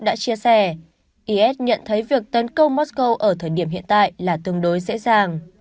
đã chia sẻ is nhận thấy việc tấn công mosco ở thời điểm hiện tại là tương đối dễ dàng